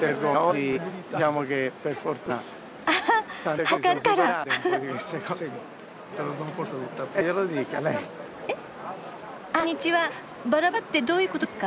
バラバラってどういうことですか？